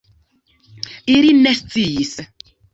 Ili ne sciis.